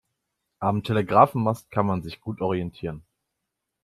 Am Telegrafenmast kann man sich gut orientieren.